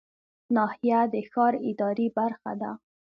ناحیه د ښار اداري برخه ده